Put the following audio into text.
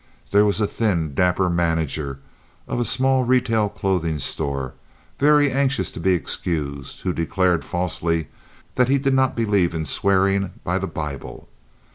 There was a thin, dapper manager of a small retail clothing store, very anxious to be excused, who declared, falsely, that he did not believe in swearing by the Bible.